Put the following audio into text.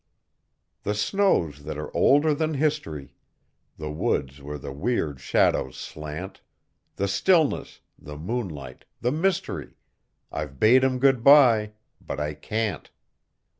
The snows that are older than history, The woods where the weird shadows slant; The stillness, the moonlight, the mystery, I've bade 'em good by but I can't.